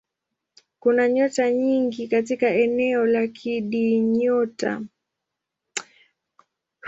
Kuna nyota nyingi katika eneo la kundinyota hili lakini zote si angavu sana.